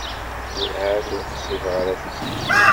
Werɛad ur ɣṣibeɣ ara tikli.